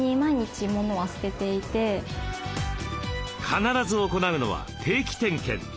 必ず行うのは定期点検。